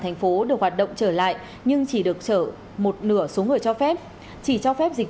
thành phố được hoạt động trở lại nhưng chỉ được chở một nửa số người cho phép chỉ cho phép dịch